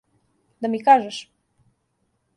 Да ми кажеш?